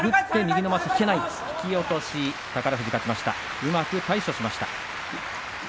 うまく対処しました。